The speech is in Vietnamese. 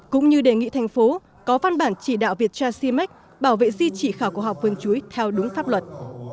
cũng như đề nghị thành phố có văn bản chỉ đạo việt trà si mách bảo vệ di chỉ khảo cổ học vườn chuối theo đúng pháp luật